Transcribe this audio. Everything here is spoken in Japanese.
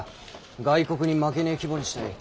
外国に負けねぇ規模にしたい。